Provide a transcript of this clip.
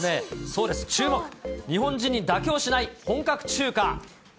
そうです、日本人に妥協しない本格中華。